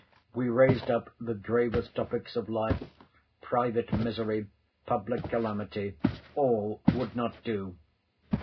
We raised up the gravest topics of life; private misery, public calamity. All would not do.